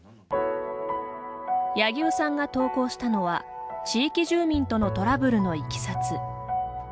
柳生さんが投稿したのは地域住民とのトラブルのいきさつ。